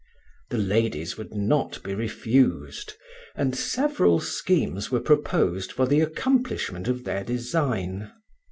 The ladies would not be refused, and several schemes were proposed for the accomplishment of their design.